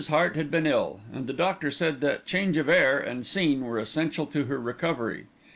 Hart had been ill, and the doctor said that change of air and scene were essential to her recovery.